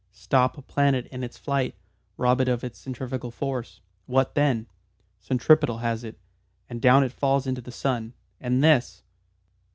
"Stop a planet in its flight, rob it of its centrifugal force, what then? Centripetal has it, and down it falls into the sun! And this